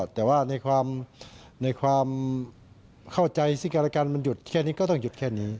แต่ว่าในความเข้าใจซึ่งกันและกันมันหยุดแค่นี้ก็ต้องหยุดแค่นี้